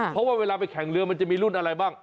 เพราะว่าเวลาไปแข่งเรือมันจะมีรุ่นอะไรบ้าง